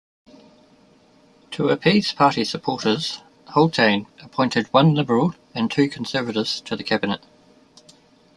To appease party supporters, Haultain appointed one Liberal and two Conservatives to the cabinet.